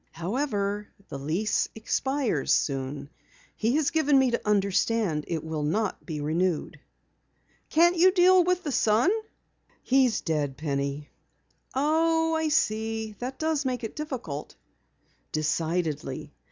However, the lease expires soon. He has given me to understand it will not be renewed." "Can't you deal with the son?" "He is dead, Penny." "Oh, I see. That does make it difficult." "Decidedly.